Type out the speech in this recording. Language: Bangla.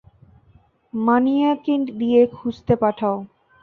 মানিয়াকে দিয়ে খুঁজতে পাঠাও।